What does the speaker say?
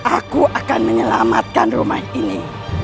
aku akan menyelamatkan rumah ini